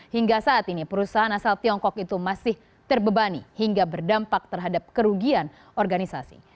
hingga saat ini perusahaan asal tiongkok itu masih terbebani hingga berdampak terhadap kerugian organisasi